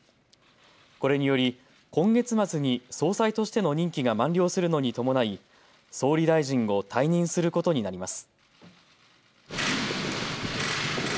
これにより今月末に総裁としての任期が満了するのに伴い総理大臣を退任することになります。